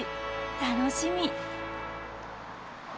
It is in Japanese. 楽しみ。